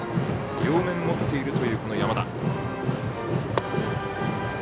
両面持っているという山田。